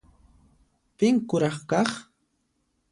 Pin kuraq kaq?